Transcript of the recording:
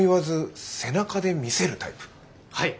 はい。